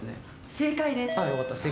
正解です。